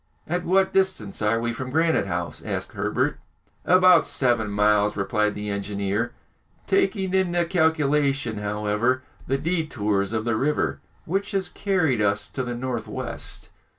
"At what distance are we from Granite House?" asked Herbert. "About seven miles," replied the engineer, "taking into calculation, however, the détours of the river, which has carried us to the north west."